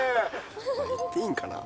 言っていいんかな。